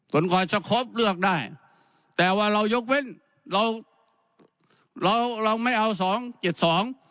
กว่าจะครบเลือกได้แต่ว่าเรายกเว้นเราเราเราไม่เอาสองเจ็ดสอง